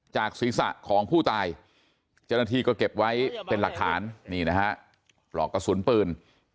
จากศีรษะของผู้ตายเจ้าหน้าที่ก็เก็บไว้เป็นหลักฐานนี่นะฮะปลอกกระสุนปืน